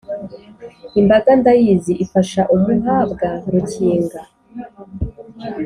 imbaga ndayizi ifasha umuhabwa rukinga.